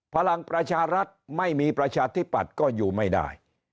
พลังประชารัฐไม่มีประชาธิปัตย์ก็อยู่ไม่ได้